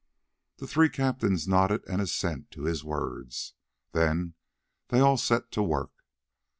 The three captains nodded an assent to his words. Then they all set to work.